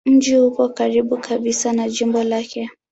Mji upo karibu kabisa na jimbo lake.